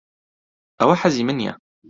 ئەوە حەزی من نییە.